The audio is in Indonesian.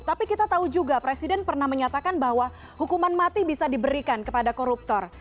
tapi kita tahu juga presiden pernah menyatakan bahwa hukuman mati bisa diberikan kepada koruptor